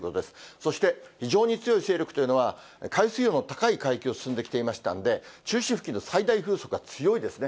そして非常に強い勢力というのは、海水温の高い海域を進んできていましたので、中心付近の最大風速が強いですね。